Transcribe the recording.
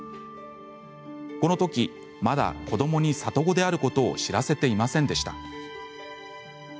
このときまだ、子どもに里子であることを知らせていませんでした。